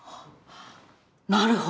なるほど。